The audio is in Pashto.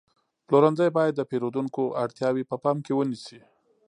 پلورنځی باید د پیرودونکو اړتیاوې په پام کې ونیسي.